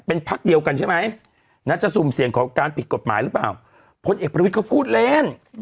เป็นพักเดียวกันใช่ไหมน่าจะสุ่มเสี่ยงของการผิดกฎหมายหรือเปล่าพลเอกประวิทย์เขาพูดเล่น